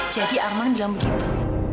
jadi arman bilang begitu